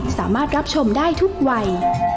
สามารถรับชมได้ทุกวัย